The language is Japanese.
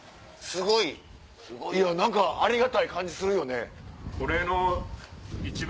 すごいいや何かありがたい感じするよね。